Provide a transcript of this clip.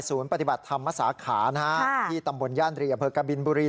ศูนย์ปฏิบัติธรรมศาสตร์ขานะฮะค่ะที่ตำบลย่านเรียบเผลอกะบิลบุรี